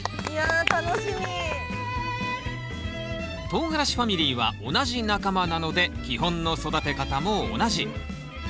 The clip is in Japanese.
とうがらしファミリーは同じ仲間なので基本の育て方も同じ。